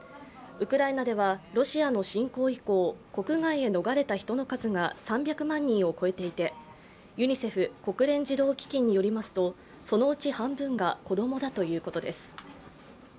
ウクライナではロシアの侵攻以降、国外へ逃れた人の数が３００万人を超えていてＵＮＩＣＥＦ＝国連児童基金によりますとそのうち半分が子供だということです。